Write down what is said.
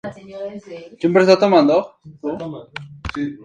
Tiene planta cuadrada, cubierta a cuatro aguas y gran alero saliente.